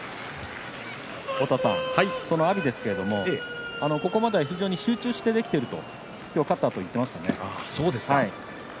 その阿炎ですけれどもここまでは非常に集中してできている、よかったと言っています。